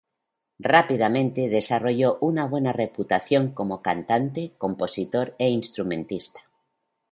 Rápidamente desarrolló una buena reputación como cantante, compositor e instrumentista.